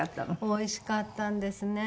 おいしかったんですね。